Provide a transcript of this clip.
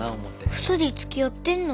２人つきあってんの？